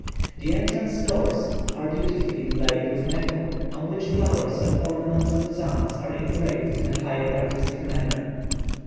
The entrance doors are beautifully inlaid with metal, on which flowers and ornamental designs are engraved in a highly artistic manner.